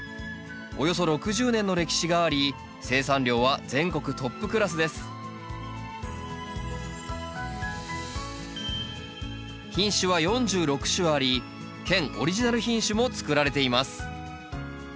およそ６０年の歴史があり生産量は全国トップクラスです品種は４６種あり県オリジナル品種も作られています